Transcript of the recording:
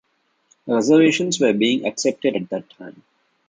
Reservations were being accepted at that time.